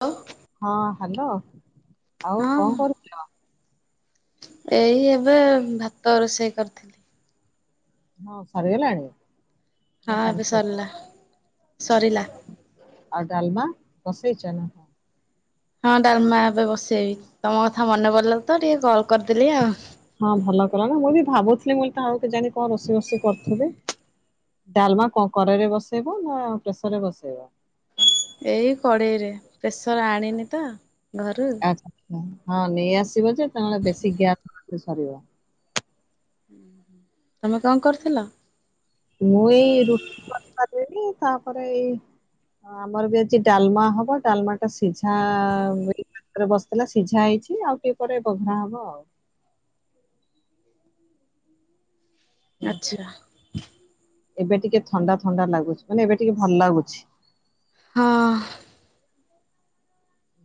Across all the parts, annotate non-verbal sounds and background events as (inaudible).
ଓ। ହଁ ହ୍ୟାଲୋ ଆଉ ହଁ କଣ କରୁଛ? ଏଇ ଏବେ ଭାତ ରୋଷେଇ କରିଥିଲି। ହଁ ସରିଗଲାଣି? ନା ହଁ ଏବେ ଚାଲିଛି ସରିଲା ସରିଲା। ଆଉ ଡାଲମା ବସେଇଛ ନା? ହଁ ଡାଲମା ଏବେ ବସେଇବି ତମ କଥା ମନେ ପଡିଲ ତ ଟିକେ କଲ୍ କରିଦେଲି ଆଉ। ହଁ ଭଲ କଲ ନା ମୁଁ ବି ଭାବୁଥିଲି ମୁଁ କହିଲି ଥାଉ କେଜାଣି କଣ ରୋଷେଇ ଫୋଷେଇ କରୁଥିବେ। ଡାଲମା କଣ କଡେଇରେ ବସେଇବ ନା ପ୍ରେସରରେ ବସେଇବ? ଏଇ କଡ଼େଇରେ ପ୍ରେସର ଆଣିନି ତ ଘରୁ। ହଁ ନେଇଆସିବ ଯେ ନହେଲେ ବେଶୀ ଗ୍ୟାସ ସରିବ। ତମେ କଣ କରୁଥିଲ? ମୁଁ ଏଇ ରୁଟି କରିପାରିବି ତାପରେ ଏଇ ହଁ ଆମର ବି ଆଜି ଡାଲମା ହବ ଡାଲମା ଟା ସିଝା ବି ରେ ବସିଥିଲା ସିଝା ହେଇଛି ଆଉ ଟିକେ ପରେ ବଘରା ହବ ଆଉ। ଆଚ୍ଛା ଏବେ ଟିକେ ଥଣ୍ଡା ଥଣ୍ଡା ଲାଗୁଛି ମାନେ ଏବେ ଟିକେ ଭଲ ଲାଗୁଛି। ହଁ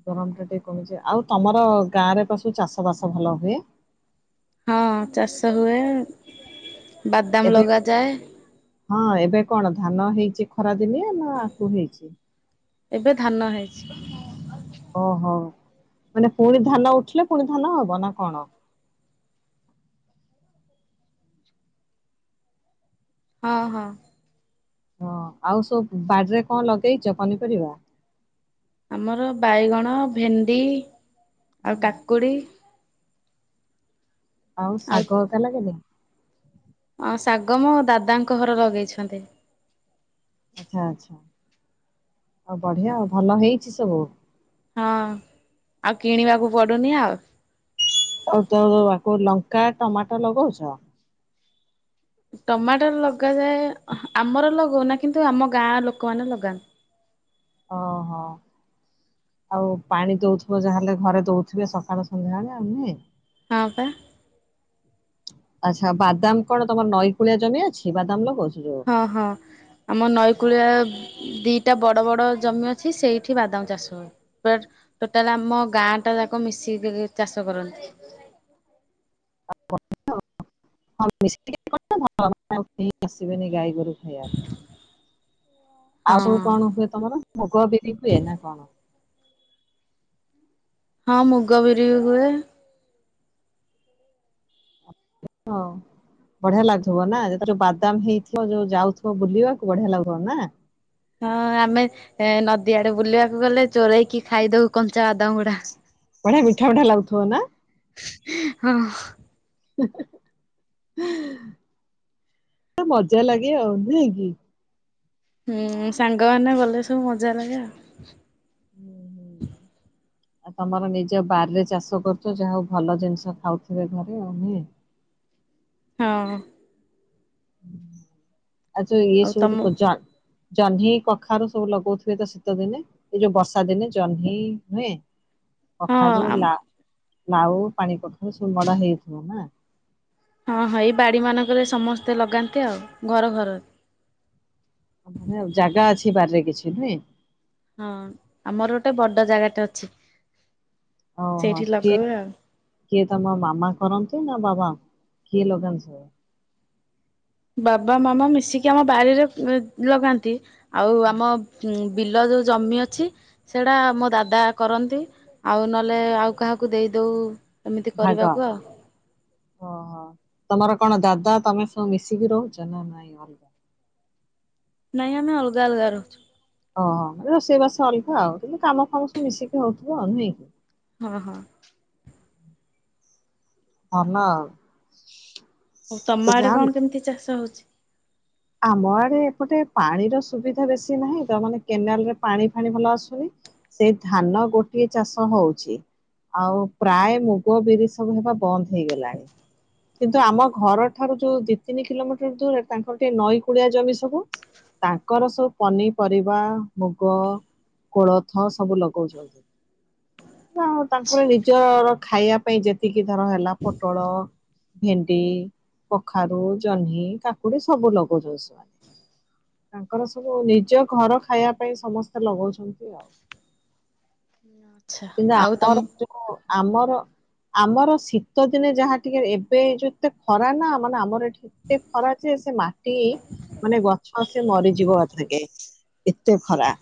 ଗରମ ଟା ଟିକେ କମିଛି। ଆଉ ତମର ଗାଁରେ ପା ସବୁ ଚାଷ ବାସ ଭଲ ହୁଏ। ହଁ ଚାଷ ହୁଏ ବାଦାମ ଏବେ ଲଗାଯାଏ। ହଁ ଏବେ କଣ ଧାନ ହେଇଛି ଖରା ଦିନିଆ ନା ଆଖୁ ହେଇଛି? ଏବେ ଧାନ ହେଇଛି। ଓହୋ ମାନେ ପୁଣି ଧାନ ଉଠିଲେ ପୁଣି ଧାନ ହବ ନା କଣ? ହଁ ହଁ। ହଁ ଆଉ ସବୁ ବାଡିରେ କଣ ଲଗେଇଛ ପନିପରିବା? ଆମର ବାଇଗଣ ଭେଣ୍ଡି ଆଉ ହୁଁ କାକୁଡ଼ି ଆଉ ଶାଗ କା ଲାଗିନି? ହଁ ଶାଗ ମୋ ଦାଦାଙ୍କ ଘର ଲଗେଇଛନ୍ତି। ଆଛା ଆଚ୍ଛା ଆଉ ବଢିଆ ଆଉ ଭଲ ହେଇଛି ସବୁ? ହଁ ଆଉ କିଣିବାକୁ ପଡୁନି ଆଉ ଆଉ ତୋ ଆକୁ ଲଙ୍କା ଟମାଟୋ ଲଗଉଛ? ଟମାଟର ଲଗାଯାଏ ଆମର ଲଗାଉନା କିନ୍ତୁ ଆମ ଗାଁ ଲୋକମାନେ ଲଗାନ୍ତି। ଓହୋ। ଆଉ ପାଣି ଦଉଥିବ ଯାହାହେଲେ ଥରେ ଦଉଥିବେ ସକାଳୁ ସନ୍ଧ୍ୟାବେଳେ ଆଉ ନୁହେଁ। ହଁ ବା। ଆଚ୍ଛା ବାଦାମ କଣ ତମର ନଈ କୂଳିଆ ଜମି ଅଛି ବାଦାମ ଲଗାଉଛ ଯୋଉ ହଁ ହଁ। ଆମ ନଈକୂଳିଆ ଦୁଇଟା ବଡ଼ ବଡ଼ ଜମି ଅଛି ସେଇଠି ବାଦାମ ଚାଷ ହୁଏ। ଟୋଟାଲ ଆମ ଗାଁ ଟା ଯାକ ମିଶିକି ଚାଷ କରନ୍ତି। (inaudible) ଆଉ କଣ ସବୁ ହଁ। ହୁଏ ତମର ମୁଗ ବିରି ହୁଏ ନା କଣ? ହଁ ମୁଗ ବିରି ବି ହୁଏ। ହଁ। ବଢିଆ ଲାଗୁଥିବ ନା ଯେତେବେଳେ ଯୋଉ ବାଦାମ ହେଇଥିବ ଯୋଉ ଯାଉଥିବ ବୁଲିବାକୁ ବଢିଆ ଲାଗୁଥିବ ନା? ହଁ ଆମେ ନଦୀ ଆଡେ ବୁଲିବାକୁ ଗଲେ ଚୋରଇକି ଖାଇଦଉ କଞ୍ଚା ବାଦାମ ଗୁଡା। ବଢିଆ ମିଠା ମିଠା ଲାଗୁଥିବ ନା? ହଁ। ମଜା ଲାଗେ ଆଉ ନାଇଁକି? ହୁଁ ସାଙ୍ଗ ମାନେ ଗଲେ ସବୁ ମଜା ଲାଗେ ଆଉ ହୁଁ ହୁଁ। ଆଉ ତମର ନିଜ ବାରିରେ ଚାଷ କରୁଛ ଯାହା ହଉ ଭଲ ଜିନିଷ ଖାଉଥିବେ ଘରେ ଆଉ ନୁହେଁ? ହଁ। ଆଛା ଇଏ ଆଉ ତମ ସବୁ (unintelligible) ଜହ୍ନି କଖାରୁ ସବୁ ଲଗଉଥିବେ ତ ଶୀତ ଦିନେ? ଏଇ ଯୋଉ ବର୍ଷା ଦିନେ ଜହ୍ନି ନୁହେଁ? ହଁ କଖାରୁ ଆମ ଲାଉ ପାଣିକଖାରୁ ସବୁ ମଡା ହେଇଥିବ ନା? ହଁ ହଁ ଏଇ ବାଡି ମାନଙ୍କରେ ସମସ୍ତେ ଲଗାନ୍ତି ଆଉ ଘର ଘର ଆମ ଜାଗା ଅଛି ବାରିରେ କିଛି ନୁହେଁ? ହଁ ଆମର ଗୋଟେ ବଡ ଜାଗାଟେ ଅଛି। ହଁ ସେଇଠି ମତେ ଲଗାଉ ଆଉ କିଏ ତମ ମାମା କରନ୍ତୁ ନା ବାବା କିଏ ଲଗାନ୍ତି ସବୁ? ବାବା ମାମା ମିଶିକି ଆମ ବାରିରେ ଲଗାନ୍ତି ଆଉ ଆମ ବିଲ ଯୋଉ ଜମି ଅଛି। ସେଇଟା ମୋ ଦାଦା କରନ୍ତି ଆଉ ନହେଲେ ଆଉ କାହାକୁ ଦେଇଦଉ ଏମିତି ଭାଗ କରିବାକୁ ଆଉ ଓହୋ ତମର କଣ ଦାଦା ତମେ ସବୁ ମିଶିକି ରହୁଛ ନା ନାଇଁ ଅଲଗା? ନାଇଁ ଆମେ ଅଲଗା ଅଲଗା ରହୁଛୁ। ଓହୋ ମାନେ ରୋଷେଇବାସ ଅଲଗା ଆଉ କିନ୍ତୁ କାମ ଫାମ ସବୁ ମିଶିକି ହଉଥିବ ଆଉ ନୁହଁ କି? ହଁ ହଁ। ହଁ ନାଁ ଆଉ। ହଉ ତମ ଆଡ଼େ ଯାହା କଣ କେମିତି ଚାଷ ହଉଚି? ଆମ ଆଡ଼େ ଏପଟେ ପାଣିର ସୁବିଧା ବେଶି ନାହିଁ ତ ମାନେ କେନାଲ୍ ରେ ପାଣି ଫାଣି ଭଲ ଆସୁନି। ସେ ଧାନ ଗୋଟିଏ ଚାଷ ହଉଚି। ଆଉ ପ୍ରାୟ ମୁଗ, ବିରି, ସବୁ ହେବା ବନ୍ଦ ହେଇଗଲାଣି। କିନ୍ତୁ ଆମ ଘର ଠାରୁ ଯୋଉ ଦି ତିନି କିଲୋମିଟର୍ ଦୂର ତାଙ୍କର ଟିକେ ନଈ କୁଳିଆ ଜମି ସବୁ। ତାଙ୍କର ସବୁ ପନିପରିବା ମୁଗ କୋଳଥ ସବୁ ଲଗଉଚନ୍ତି। ଯା ହଉ ତାଙ୍କର ନିଜର ଖାଇବା ପାଇଁ ଯେତିକି ଧର ହେଲା ପୋଟଳ ଭେଣ୍ଡି, କଖାରୁ, ଜହ୍ନି, କାକୁଡ଼ି, ସବୁ ଲଗାଉଚ ସେଆ। ତାଙ୍କର ସବୁ ନିଜ ଘର ଖାଇବା ପାଇଁ ସମସ୍ତେ ଲଗଉଛନ୍ତି ଆଛା ଆଉ। ନାଁ ଆଉ ତମ ଆମର ଯୋଉ ଆମର ଆମର ଶୀତ ଦିନେ ଯାହା ଟିକେ ଏବେ ଯେତେ ଖରା ନାଁ ମାନେ ଆମର ଏଠି ଏ ଖରା ଯେ ସେ ମାଟି ମାନେ ଗଛ ସେ ମରିଯିବ କଥରକେ ଏତେ ଖରା।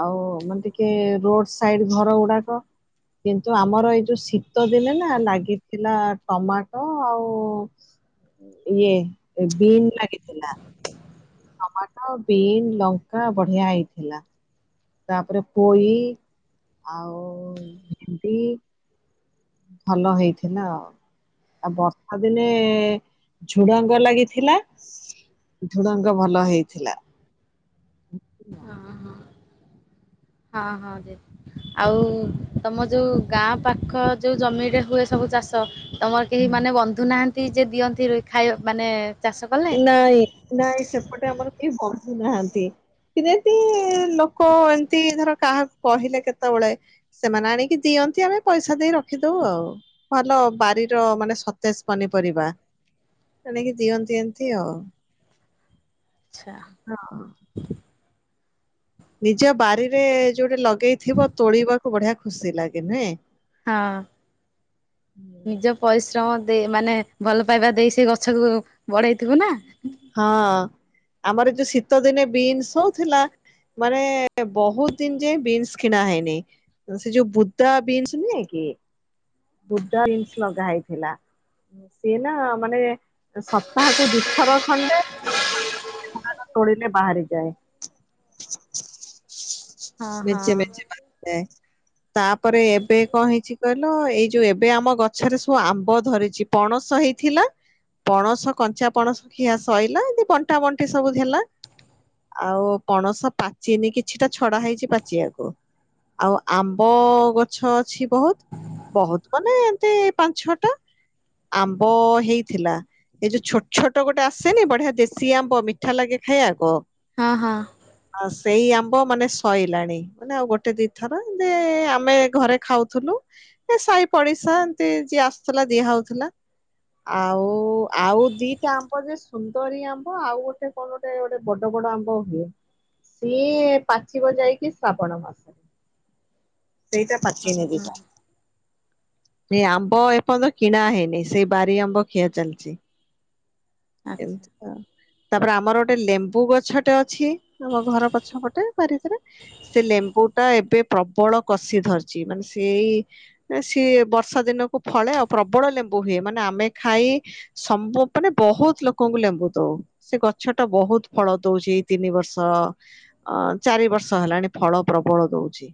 ଆଉ ମାନେ ଟିକେ ରୋଡ଼ ସାଇଡ଼ ଘର ଉଡ଼ାକ କିନ୍ତୁ ଆମର ଏଇ ଯୋଉ ଶୀତ ଦିନେ ନାଁ ଲାଗିଥିଲା ଟମାଟ ଆଉ ଇ ଇଏ ଉଁ ଲାଗେ। ଟମାଟୋ, ବିନ୍, ଲଙ୍କା, ବଢ଼ିଆ ହେଇଥିଲା। ତାପରେ ପୋଇ ଆଉ ଭେଣ୍ଡି। ଭଲ ହେଇଥିଲା ଆଉ। ଆଉ ବର୍ଷା ଦିନେ ଝୁଡ଼ଙ୍ଗ ଲାଗିଥିଲା। ଝୁଡ଼ଙ୍ଗ ଭଲ ହେଇଥିଲା। ହୁଁ ଉଁ ନ। ହଁ ହଁ ହଁ ହଁ ଦେ। ଆଉ ତମ ଯୋଉ ଗାଁ ପାଖ ଯୋଉ ଜମିରେ ହୁଏ ସବୁ ଚାଷ। ତମର କେହି ମାନେ ବନ୍ଧୁ ନାହାନ୍ତି ଯିଏ ଦିଅନ୍ତି ଖାଇବା ମାନେ ଚାଷ କଲେ? ନାଇଁ ନାଇଁ ସେପଟେ ଆମର କେହି ବନ୍ଧୁ ନାହାନ୍ତି। ସିରେ ସି ଲୋକ ଏମତି ଧର କାହାକୁ କହିଲେ କେତୋଳେ ସେମାନେ ଆଣିକି ଦିଅନ୍ତି ଆମେ ପଇସା ଦେଇ ରଖିଦଉ ଆଉ। ଭଲ ବାରିର ମାନେ ସତେଜ ପନିପରିବା କିଣିକି ଦିଅନ୍ତି ଏ ତି ଆଉ। ଛା। ହଁ। ନିଜ ବାରିରେ ଯୋଉଠି ଲଗେଇଥିବ ତୋଳିବାକୁ ବଢ଼ିଆ ଖୁସି ଲାଗେ, ନୁହେଁ? ହଁ। ହୁଁ। ନିଜ ପରିଶ୍ରମ ଦେଇ ମାନେ ଭଲ ପାଇବା ଦେଇ ସେ ଗଛକୁ ବଢେଇଥିବୁ ନାଁ। ହଁ ଆମର ଏ ଯୋଉ ଶୀତ ଦିନେ ବିନ୍ସ ହଉଥିଲା ମାନେ ବହୁତ ଦିନ ଯାଏଁ ବିନ୍ସ କିଣା ହେଇନେଇ। ଓ ସେ ଯୋଉ ବୁଦା ବିନ୍ସ ନୁହେଁ କି ବୁଦା ବିନ୍ସ ଲଗା ହେଇଥିଲା। ଏ ସିଏ ନା ମାନେ ସପ୍ତାହକୁ ଦି ଥର ଖଣ୍ଡେ (inaudible) ତୋଳିଲେ ବାହାରି ଯାଏ। ହଁ ହଁ ମିଛି ମିଛି ବାପେ। ତାପରେ ଏବେ କଣ ହେଇଛି କହିଲ ଏଇ ଯୋଉ ଏବେ ଆମ ଗଛରେ ସବୁ ଆମ୍ବ ଧରିଛି ପଣସ ହେଇଥିଲା ପଣସ କଞ୍ଚା ପଣସ ଖିଆ ସଇଲା ଏମିତି ବଣ୍ଟା ବଣ୍ଟି ସବୁ ହେଲା। ଆଉ ପଣସ ପାଚିନି କିଛିଟା ଛଡା ହେଇଛି ପାଚିବାକୁ। ଆଉ ଆମ୍ବ ଗଛ ଅଛି ବହୁତ। ବହୁତ ମାନେ ଏମତି ପାଞ୍ଚ ଛଅଟା ଆମ୍ବ ହେଇଥିଲା। ଏଇ ଯୋଉ ଛୋଟ ଛୋଟ ଗୋଟେ ଆସେନି ବଢିଆ ଦେଶୀ ଆମ୍ବ ମିଠା ଲାଗେ ଖାଇବାକୁ। ହଁ ହଁ। ଆଉ ସେଇ ଆମ୍ବ ମାନେ ସଇଲାଣି ମାନେ ଆଉ ଗୋଟେ ଦିଥର ଏମିତି ଆମେ ଘରେ ଖାଉଥିଲୁ। ଏ ସାହି ପଡିଶା ଏମିତି ଯିଏ ଆସୁଥିଲା ଦିଆ ହଉଥିଲା। ଆଉ ଆଉ ଦିଟା ଆମ୍ବ ଯେ ସୁନ୍ଦରୀ ଆମ୍ବ ଆଉ ଗୋଟେ କଣ ଗୋଟେ ଗୋଟେ ବଡ ବଡ ଆମ୍ବ ହୁଏ ସିଏ ପାଚିବ ଯାଇକି ଶ୍ରାବଣ ମାସରେ ସେଇଟା ପାଚିନି ଏ ଓହୋ ଦିଟା। ଏ ଆମ୍ବ ଏପର୍ଯ୍ୟନ୍ତ କିଣା ହେଇନି ସେଇ ବାରି ଆମ୍ବ ଖିଆ ଚାଲିଛି। ଆଚ୍ଛା। ଏମିତି ଆଉ ତାପରେ ଆମର ଗୋଟେ ଲେମ୍ବୁ ଗଛଟେ ଅଛି ଆମ ଘର ପଛପଟେ। ବାରି ଭିତରେ ସେ ଲେମ୍ବୁ ଟା ଏବେ ପ୍ରବଳ କଷି ଧରିଛି ମାନେ ସେଇ ନା ସିଏ ବର୍ଷା ଦିନକୁ ଫଳେ ଆଉ ପ୍ରବଳ ଲେମ୍ବୁ ହୁଏ ମାନେ ଆମେ ଖାଇ ସମ୍ବୁ ମାନେ ବହୁତ ଲୋକଙ୍କୁ ଲେମ୍ବୁଦଉ। ସେ ଗଛ ଟା ବହୁତ ଫଳ ଦଉଛି ଏଇ ତିନି ବର୍ଷ ଅ ଚାରି ବର୍ଷ ହେଲାଣି ଫଳ ପ୍ରବଳ ଦଉଛି।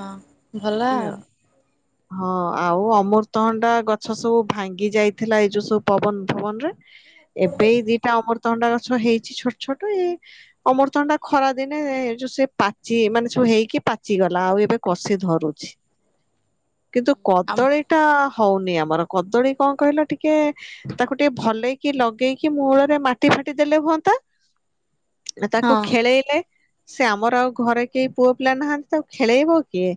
ଅ ହଁ ଭଲ ଏମିତି ଆଉ। ଆଉ‌। ହଁ ଆଉ ଅମୃତଭଣ୍ଡା ଗଛ ସବୁ ଭାଙ୍ଗି ଯାଇଥିଲା ଏଇ ଯୋଉ ସବୁ ପବନ ଫବନ ରେ। ଏବେ ଏଇ ଦିଟା ଅମୃତଭଣ୍ଡା ଗଛ ହେଇଛି ଛୋଟ ଛୋଟ ଏଇ ଅମୃତଭଣ୍ଡା ଖରା ଦିନେ ଏ ଯୋଉ ସେ ପାଚି ମାନେ ସବୁ ହେଇକି ପାଚିଗଲା ଆଉ ଏବେ କଷି ଧରୁଛି। କିନ୍ତୁ ଆମ୍ କଦଳୀ ଟା ହଉନି ଆମର କଦଳୀ କଣ କହିଲ ଟିକେ ତାକୁ ଟିକେ ଭଲେକି ଲଗେଇକି ମୂଳରେ ମାଟି ଫାଟି ଦେଲେ ହୁଅନ୍ତା। ଏଟା ହଁ ତାକୁ। ଖେଳେଇଲେ ସେ ଆମର ଆଉ ଘରେ କେହି ପୁଅ ପିଲା ନାହାଁନ୍ତି ତାକୁ ଖେଳେଇବ କିଏ?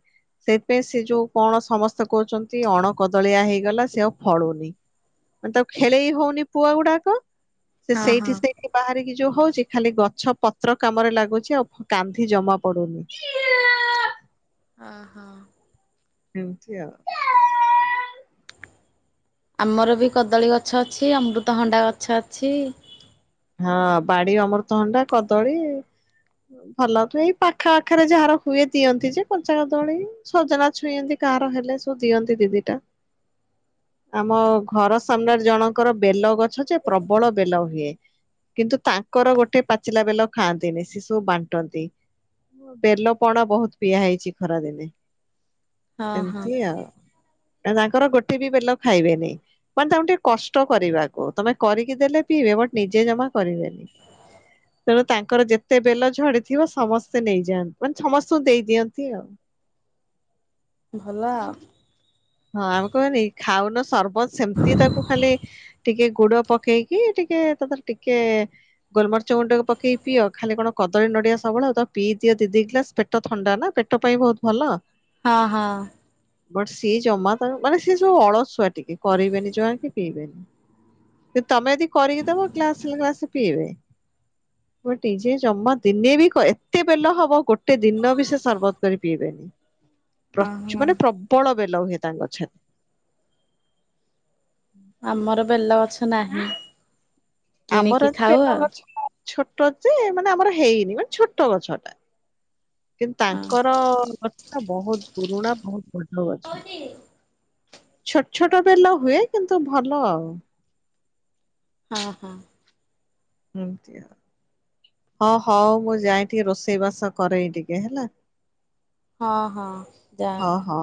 ସେଇଥିପାଇଁ ସେ ଯୋଉ କଣ ସମସ୍ତେ କହୁଛନ୍ତି ଅଣ କଦଳିଆ ହେଇଗଲା ସେ ଆଉ ଫଳୁନି। ମାନେ ତାକୁ ହଁ ଖେଳେଇ ହଉନି ପୁଆ ଗୁଡାକ ସେ ସେଇଠି ହଁ। ସେଇ ବାହାରିକି ଯୋଉ ହଉଛି ଖାଲି ଗଛ ପତ୍ର କାମରେ ଲାଗୁଛି ଆଉ ଫ କାନ୍ଧି ଜମା ପଡୁନି। ଅ ହଁ। ଏମତି ଆଉ। ଆମର ବି କଦଳୀ ଗଛ ଅଛି ଅମୃତଭଣ୍ଡା ଗଛ ଅଛି। ହଁ ବାଡି ଅମୃତହଣ୍ଡା କଦଳୀ। ଭଲ ଠୁ ଏଇ ପାଖ ଆଖରେ ଯାହାର ହୁଏ ଦିଅନ୍ତି ଯେ କଞ୍ଚା କଦଳୀ। ସଜନା ଛୁଇଁ ଏମିତି କାହାର ହେଲେ ସବୁ ଦିଅନ୍ତି ଦିଇ ଦିଟା। ଆମ ଘର ସାମ୍ନାରେ ଜଣଙ୍କର ବେଲ ଗଛ ଯେ ପ୍ରବଳ ବେଲ ହୁଏ। କିନ୍ତୁ ତାଙ୍କର ଗୋଟେ ପାଚିଲା ବେଲ ଖାଆନ୍ତିନି ସେ ସବୁ ବାଣ୍ଟନ୍ତି। ତ ବେଲ ପଣ ବହୁତ ପିଆ ହେଇଛି ଖରା ଦିନେ। ହଁ ହଁ ଏମତି ଆଉ ଆ ତାଙ୍କର ଗୋଟେ ବି ବେଲ ଖାଇବେନି। ମାନେ ତାଙ୍କୁ ଟିକେ କଷ୍ଟ କରିବାକୁ ତମେ କରିକି ଦେଲେ ପିଇବେ ବଟ୍ ନିଜେ ଜମା କରିବେନି। ହୁଁ ତେଣୁ ତାଙ୍କର ଯେତେ ବେଲ ଝଡିଥିବ ସମସ୍ତେ ନେଇଯାଆନ୍ତି ମାନେ ସମସ୍ତଙ୍କୁ ଦେଇଦିଅନ୍ତି ଆଉ। ଭଲ ଆଉ। ହଁ ଆମେ କହନି ଖାଉନ ସରବତ ସେମିତି ତାକୁ ଖାଲି ଟିକେ ଗୁଡ ପକ କେଇକି ଟିକିଏ ତାଦେରେ ଟିକିଏ। ଗୋଲମର୍ଚ ଗୁଣ୍ଡ ପକେଇ ପିଅ ଖାଲି କଣ କଦଳୀ ନଡିଆ ସବଳ ଆଉ ପିଇି ଦି ଦି ଗ୍ଲାସ ପେଟ ଟ ଥଣ୍ଡା ନା ପେଟ ପାଇଁ ବହୁତ ଭଲ। ହଁ ହଁ। ବଟ୍ସ ସିଏ ଜମା ତ ମାନେ ସିଏ ସବୁ ଅଳସୁଆ ଟିକେ କରିବେନି ଜମା କି ପିଇବେନି। କି ତମେ ଯଦି କରିକି ଦବ ଗ୍ଲାସେ ଲେ ଗ୍ଲାସେ ପିଇବେ। ଗୋଟି ଯେ ଜମା ଦିନେ ବି ଏତେ ବେଲ ହବ ଗୋଟେ ଦିନ ବି ସେ ସରବତ କରି ପିଇବେ ପ୍ରଚ୍ ଓହୋ। ମାନେ ପ୍ରବଳ ବେଲ ହୁଏ ତାଙ୍କ ଗଛରେ। ଆମର ବେଲ ଗଛ ନାହିଁ ଆମର କିଣିକି ଖାଉ ବେଲ ଆଉ। ଗଛ ଛୋଟ ଯେ ମାନେ ଆମର ହେଇନି ମାନେ ଛୋଟ ଗଛ ଟା। କିନ୍ତୁ ହଁ ତାଙ୍କର ଗଛ ଟା ବହୁତ ପୁରୁଣା ବହୁତ ବଡ ଗଛ। ଛୋଟ ଛୋଟ ବେଲ ହୁଏ କିନ୍ତୁ ଭଲ ଆଉ। ହଁ ହଁ। ଏମିତିଆ। ହଁ ହଉ ମୁଁ ଯାଏଁ ଟିକିଏ ରୋଷେଇ ବାସ କରେ ଟିକିଏ ହେଲା। ହଁ ହଁ ଯା। ହଁ ହଁ।